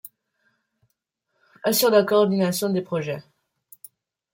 Assure la coordination des projets.